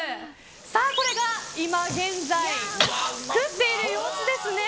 これが今現在作っている様子ですね。